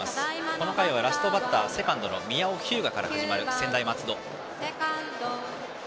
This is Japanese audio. この回はラストバッターセカンドの宮尾日向から始まる専大松戸。